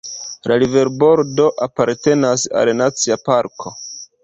La riverbordo apartenas al Nacia parko.